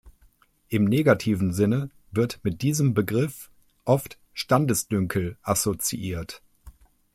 Im negativen Sinne wird mit diesem Begriff oft „Standesdünkel“ assoziiert.